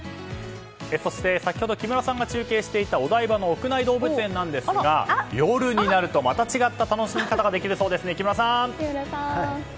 そして先ほど木村さんが中継していたお台場の屋内動物園ですが夜になると、また違った楽しみ方ができるそうですね。